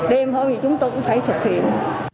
đêm hôm thì chúng tôi cũng phải thực hiện